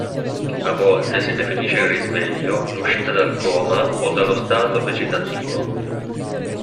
A volte si definisce risveglio l'uscita dal coma o dallo stato vegetativo.